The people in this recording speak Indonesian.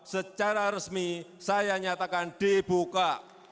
secara resmi saya nyatakan dibuka